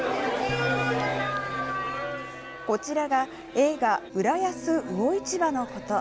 こちらが映画「浦安魚市場のこと」。